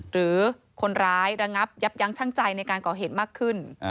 หรือคนร้ายระงับยับยั้งชั่งใจในการก่อเหตุมากขึ้น